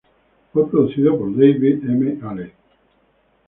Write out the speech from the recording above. Fue producido por David M. Allen.